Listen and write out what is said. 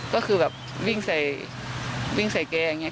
ก็คือแบบวิ่งใส่วิ่งใส่แกอย่างนี้